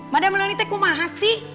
mada meluangin teh kumaha sih